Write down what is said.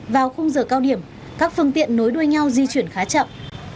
vào không rời cao điểm các phương tiện nối đuôi nhau di chuyển khá chậm